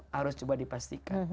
harus coba dipastikan